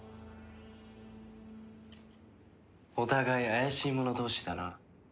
お互い怪しい者同士だな。